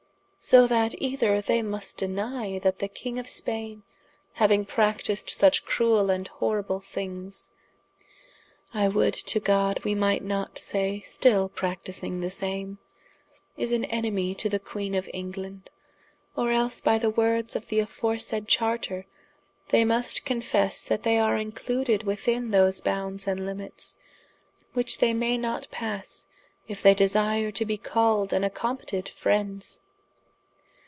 _ So that either they must denie, that the king of Spaine hauing practised such cruell and horrible things (I would to God we might not say stil practising the same) is an enemie to the Queene of England, or els by the wordes of the aforesaide charter, they must confesse that they are included within those boundes and limites, which they may not passe, if they desire to bee called and accompted friendes.